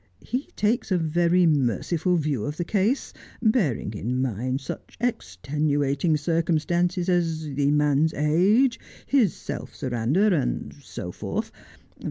He takes a very merciful view of the case, bearing in mind such extenuating circumstances as the man's age, his self surrender, and so forth.